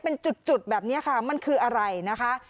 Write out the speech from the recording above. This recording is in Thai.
เป็นจุดแบบนี้ค่ะมันคืออะไรนะคะ